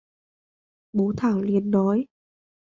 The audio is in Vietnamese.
Bố Thảo liền nói